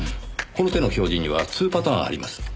この手の表示には２パターンあります。